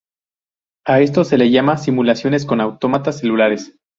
A esto se le llama simulaciones con autómatas celulares.